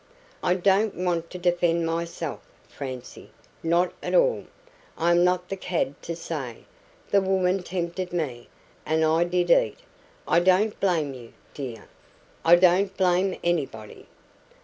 I don't want to defend myself, Francie not at all. I am not the cad to say, 'The woman tempted me, and I did eat.' I don't blame you, dear I don't blame anybody.